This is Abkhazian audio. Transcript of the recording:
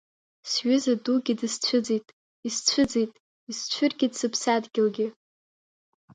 Сҩыза дугьы дысцәыӡит, исцәыӡит, исцәыргеит сыԥсадгьылгьы.